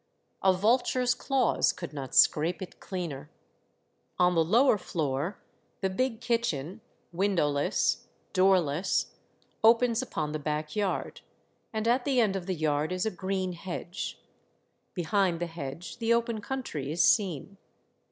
A vulture's claws could not scrape it cleaner ! On the lower floor the big kitchen, windowless, door less, opens upon the back yard, and at the end of the yard is a green hedge ; behind the hedge the open country is seen.